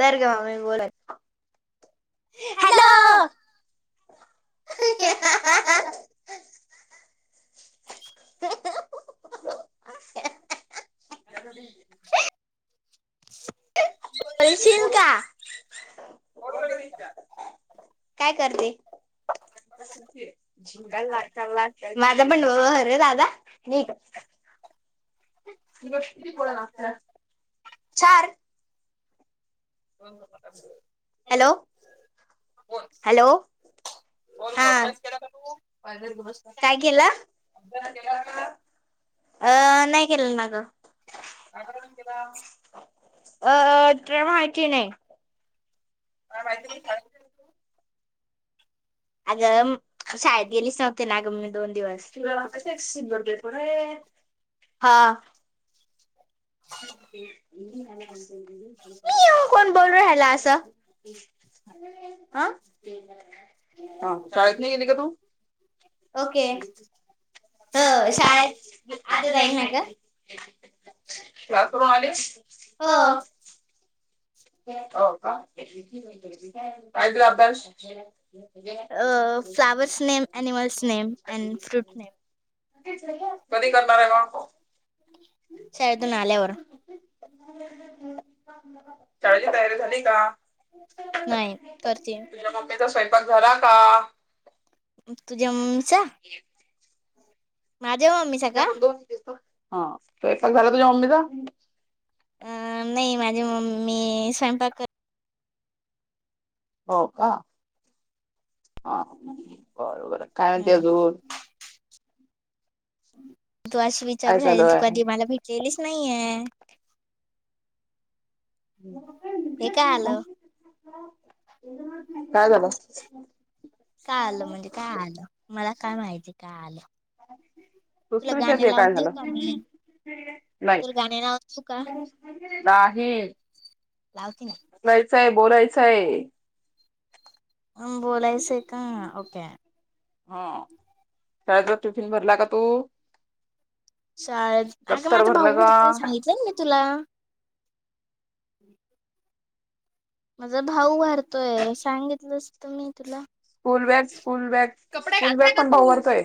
वर ग मम्मे बोलाय हॅलो [unintelligible] [unintelligible] बोलशील का काय करते. माझ बनवरे दादा न गोष्टी बोलायला लागत्यात चार [unintelligible] हॅलो हॅलो हा अभ्यास केला काय तु काय केला अभ्यास केला का अ नाही केलं ना ग अ ट्रॅव्ह केलय अगं शाळेत गेलीस नव्हती ना गं दोन दिवस हां कोण बोल रहाल अस हा हा शाळेत नाही गेली का तू ओके. हो शाळेत आता आता जाईल ना गं. शाळा करून आलीस. हो. क का काय हे अभ्यास अ flowers name animals name and fruit name कधी करणार आहे शाळेतून आल्यावर ग [unintelligible] नाही करते. तुझा स्वयंपाक झाला का. तुझ्या मम्मीचा माझ्या मम्मीचा का हा स्वयंपाक झाला तुझ्या मम्मीचा अं नाही माझी मम्मी स्वयंपाक क हो का हां बरोबर काय म्हंणते हम्म अजून. तू अशी काय विचारू राहिली चालू की तू आहे कधी मला भेटलेलीच नाहीये. हे काय आलं काय झालं काय आलं म्हणजे काय आलं मला काय माहिती काय आलं ह [unintelligible] तुला नुसत गाणे विचारते काय लावून देऊ झालं का मी नाही तर गाणे लावतो का? [unintelligible] नाही. लावती ना. काय बोलायच आहे. अं बोलायचं आहे, का ओके. हा शाळेचा टिफिन भरला का तू. शाळेत अग दफ्तर माझं भरलं भाऊ का भरत नाही सांगितलं ना मी. तुला. माझा भाऊ भारतोय सांगितलंचत मी तुला. School bag, school bag, school bag पण भाऊ भतोय.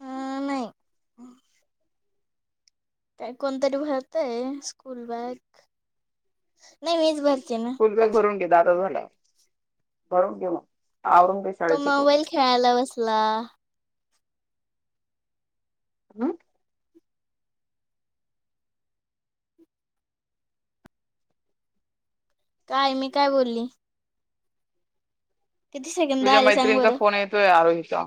अ नाही. काय कोणतरी भरतय स्कूल बॅग नाही मीच भर स्कूल बॅग भरून घे दादाच झाल्यावर भरून घे मग. आवरून घे तो शाळेची तू मोबाईल खेळायला बसला. हम. काय मी काय बोलली. किती सेकंद तुझ्या आले सांग मैत्रिणीचा फोन येतोय आरोहीचा.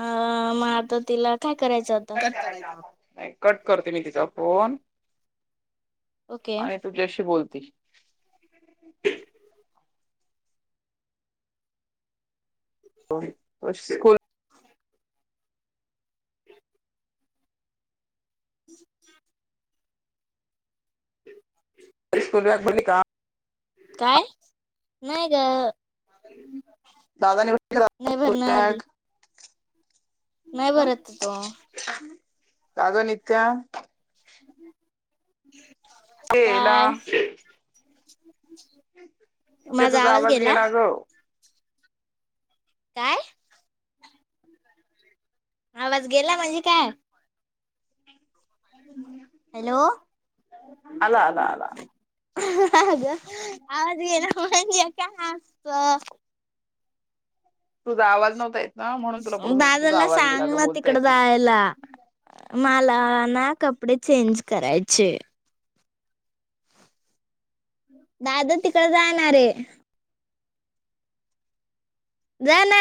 अं मग आता तिला काय करायचं आता कट करायचा करायच. आता. नाही कट करते मी तिचा फोन ओके. आणि तुझ्याशी बोलत. ते हायस्कूल [unintelligible] [inaudible] स्कूल बॅग भरली का. काय नाही ग. दादान भरला काय नाही स्कूल भरणं आली बॅग. नाही भरतो. का ग नित्या. [inaudible] तेला. काय नित्या तुझा आवाज गेला ग. काय. आवाज गेला म्हणजे काय. हॅलो आला, आला, आला. हं हं अगं आवाज गेला म्हणजे काय असंत. तुझा आवाज नव्हता येत. ना म्हणून तुला बोलत होते तुझा दादाला आवाज गेला का सांगलं बोलता तिकड येत नाही जायला मा लाना कपडे चेंज करायचे. दादा तिकड जाणारे. जाना.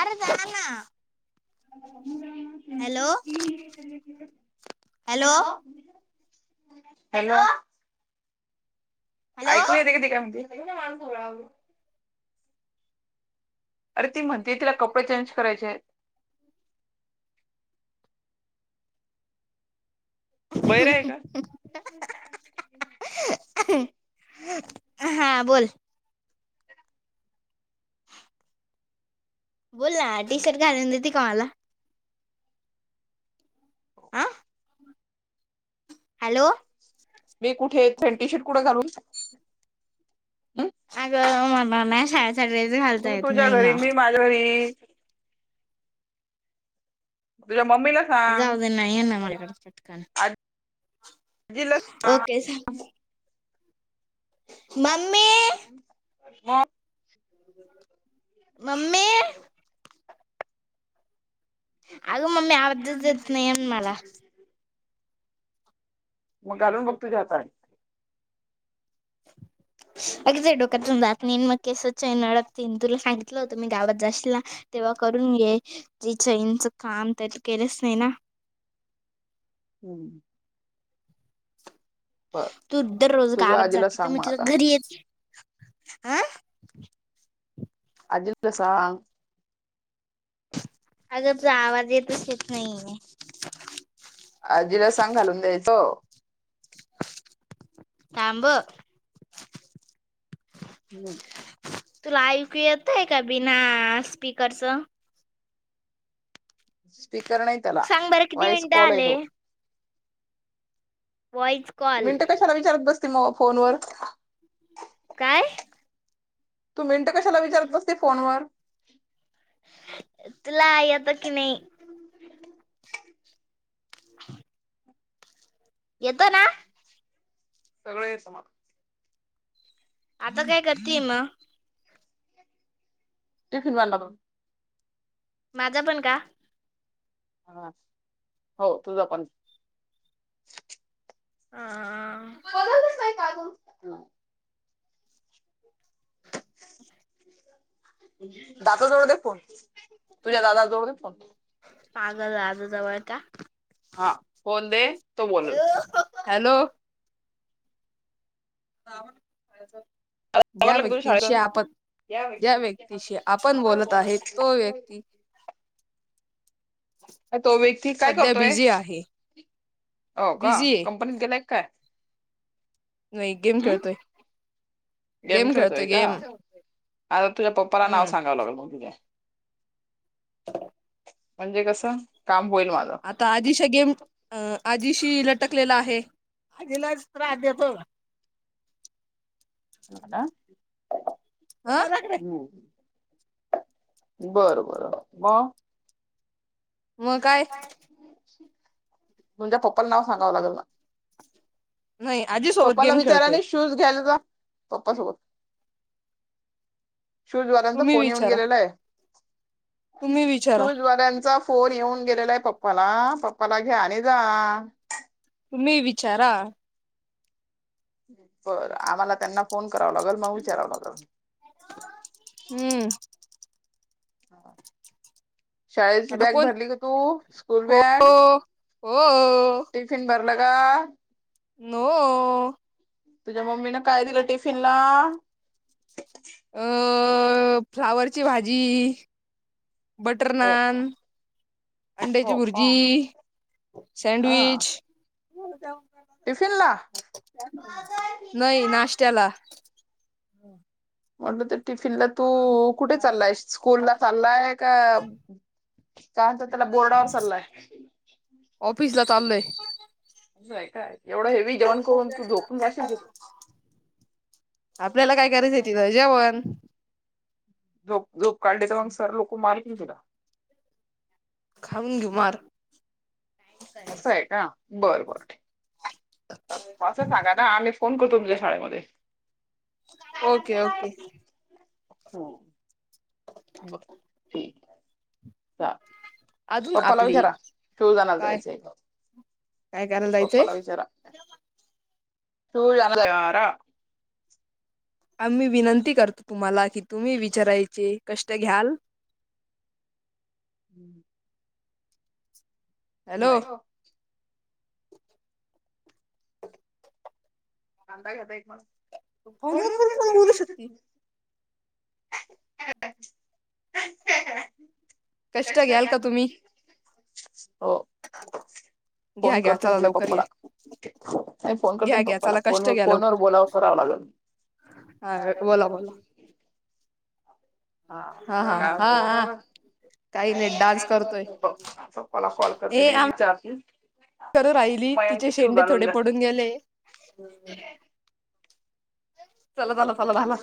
अरे जा ना हॅलो. हॅलो. हॅलो ऐकू येत का काय मा. अरे ती म्हंदे तिला कपडे चेंज करायचे आहेत. हम हम बहिर आहे आआआआ का आ. हम हा बोल. बोल ना टी शर्ट घालून देते मला. हा हॅलो. मी कुठे पनटी शर्ट कुठं घालून. आगं मन म [unintelligible] ह तू तुझ्या घरी मी माझ्या घरी... तूझ्या... जाऊ देना येना माझ्याकडे पटकन.... दिल... मम्मे... म... मम्मे... अगं मम्मी आबदच येत नाही मला.. मग घालून बघ तुझ्या आता.. अगदीे डोक्यातून जात नाही मग कस.... चैन अडकते तुला सांगितलं होतं मी गावात जाशीला तेव्हा करून घे जी चैनच का? आम तर त केलंच नाही ना... हम्म... बर. तू दररोज तुझ्या गावात आजीला जाते तर सांग मी मग तुझ आता. घरी येत... आं... आजीला सांग... अग तुझा आवाज येत नाही आहे... आजीला सांग घालून द्यायचो... थांब... हम्म... तुला ऐकू येत आहे का बिना स्पीकरच.. स्पीकर नाही त्याला सांग बरं किती वॉयस मिनिटं कॉल आहे आले तो... व्हॉइस कॉल मिनट कशाला विचारत बसतील मग फोनवर.. काय? तू मिनट कशाला विचारत बसते फोनवर... तुला येतो की नाही... येत ना... सगळे समाप... आता काय करते मग... टिफन बवन माझा पण का... हा हो तुझ पण... ह.. बघतच नाही कार्टून.... दादाजवळ दे फोन तुझ्या दादाजवळ फोन... जवळ का... हा, फोन दे, तो बोलल... हॅलो... ज्या आवरलं का तुझ्या व्यक्तींशी शाळेचं? आपण... या ज्या व्यक्ती व्यक्तीशी आपण बोलत आहे तो व्यक्ती... तो व्यक्ती काय सध्या करतोय? बिझी आहे हो का? बिझी आहे कंपनीत गेलाय की काय? नाही, गेम हम् खेळतोय... गेम खेळतोय का? आता तुझ्या पप्पाला नाव हम्म सांगावं लागेल मग तुझे... म्हणजे कस... आता आजिश गेम, अ आ... आज्जीशी लटकले आहे, आज्जीलाच त्रास देतो. आ, बरबर, मग? मग काय तुझ्या पप्पाला नाव सांगावं लागेल ना, नाही आजी सोबत पप्पाला गेम खेळतोय विचारानी शूज घ्यायला जा पप्पासोबत, शूजवाल्यांचा तुम्ही फोन येऊन विचारा गेलेला आहे. तुम्ही विचारा शूज वाल्यांचा फोन येऊन गेलेला आहे पप्पाला, पप्पाला घ्या आणि जा. तुम्ही विचारा बरं आम्हाला त्यांना फोन कराव लागेल मग विचाराव लागेल. हम्म. शाळेची आता बॅग कोण भरली का तू? स्कूल हो बॅग. हो. टिफिन भरलं का? नो. तुझ्या मम्मीने काय दिलं टिफिनला? अ फ्लावरची भाजी बटर हो नान. का अंड्याची हो का भुर्जी, हा सँडविच टिफिन ला? हम्म. म्हटलं तर टिफिनला तू कुठे चाललाय स्कूलला चाललाय? का? काय म्हणतात त्याला बोर्डावर चाललाय? ऑफिसला चाललोय आहे काय? एवढं हेवी जेवण करून तू झोपून जाशील आपल्याला काय करायचं आहे तिथे, जेवण! झोप, झोप काढली तर मग सर लोकं मारतील तुला. खाऊन घेऊ मार. असं आहे का? बरं बरं. असं सांगा ना आम्ही फोन करू तुमच्या शाळेमध्ये ओके, ओके. हम्म. बरं ठीक, चालेल. अजून पप्पाला आपली विचारा शूज आणायला काय जायचं का? काय करायला जायचंय पप्पाला विचारा [unintelligible] आम्ही विनंती करतो तुम्हाला की तुम्ही विचारायचे कष्ट घ्याल? हम्म हॅलो नाहीय हो. [inaudible] कांदा घेतय तुम्हाला फोनवर बोलत बोलू शकती. काय करता आहे. [unintelligible] कष्ट घ्याल का तुम्ही? हो. घ्या फोन घ्या करते ना चला तुझ्या लवकर घ्या पप्पाला नाही फोन घ्या करते घ्या पप्पाला. चला कष्ट फोन घ्या लवकर फोनवर बोलाव कराव लागल. हा बोला बोला [unintelligible] हा हा हा हा काही नाही डान्स करतोय [unintelligible] पप्पाला कॉल करते मी विचारते खरं राहिली तिचे मयांकचे शूज शेंडे आणून थोडे द्या. पडून गेले. चला चला चला झाला.